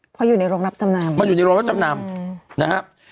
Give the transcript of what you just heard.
เพราะอยู่ในโรงรับจำนำมันอยู่ในโรงรับจำนำนะครับ